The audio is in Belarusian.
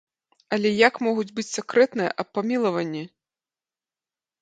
Але як могуць быць сакрэтныя аб памілаванні?